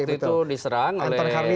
waktu itu diserang oleh anton kharlian ya